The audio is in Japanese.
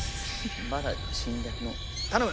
まだ侵略の頼む！